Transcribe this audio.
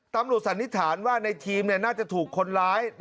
สันนิษฐานว่าในทีมน่าจะถูกคนร้าย